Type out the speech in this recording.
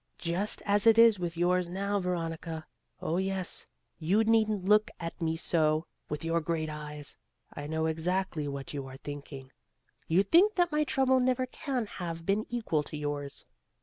Just as it is with yours now, Veronica. Oh yes, you needn't look at me so with your great eyes. I know exactly what you are thinking. You think that my trouble never can have been equal to yours.